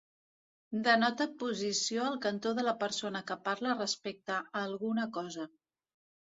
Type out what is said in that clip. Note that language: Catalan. Denota posició al cantó de la persona que parla respecte a alguna cosa.